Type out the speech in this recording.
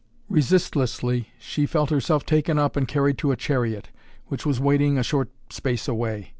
Resistlessly she felt herself taken up and carried to a chariot, which was waiting a short space away.